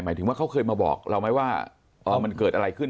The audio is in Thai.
ถึงว่าเขาเคยมาบอกเราไหมว่ามันเกิดอะไรขึ้น